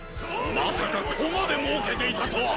まさか子までもうけていたとは！